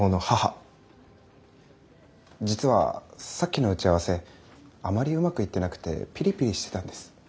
実はさっきの打ち合わせあまりうまくいってなくてピリピリしてたんです。